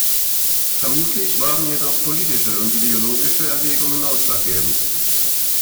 Vermutlich waren jedoch politische und ideologische Erwägungen ausschlaggebend.